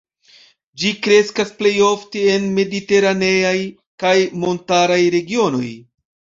Ĝi kreskas plej ofte en mediteraneaj kaj montaraj regionoj.